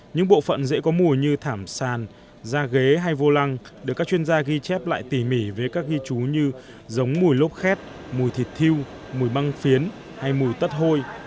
những bộ phận dễ có mùi như thảm sàn da ghế hay vô lăng được các chuyên gia ghi chép lại tỉ mỉ với các ghi chú như giống mùi lốp khét mùi thịt thiêu mùi băng phiến hay mùi tất hôi